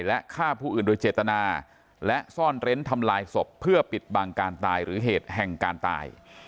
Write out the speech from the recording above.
และฆ่าผู้อื่นโดยเจตนาและซ่อนเร้นทำลายศพเพื่อปิดบังการตายหรือเหตุแห่งการตาย